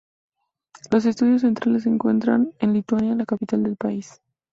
Los estudios centrales se encuentran en Liubliana, la capital del país.